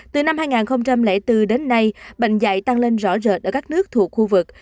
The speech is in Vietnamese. từ năm hai nghìn bốn đến nay bệnh dạy tăng lên rõ rệt ở các nước thuộc khu vực